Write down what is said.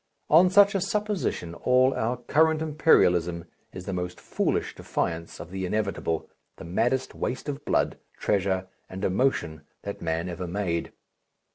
On such a supposition all our current Imperialism is the most foolish defiance of the inevitable, the maddest waste of blood, treasure, and emotion that man ever made.